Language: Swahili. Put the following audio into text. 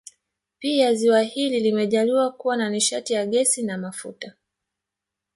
Pia ziwa hili limejaaliwa kuwa na nishati ya gesi na mafuta